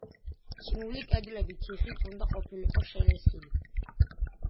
წნული კედლები თიხით უნდა ყოფილიყო შელესილი.